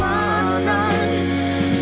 berjalan tanpa kamu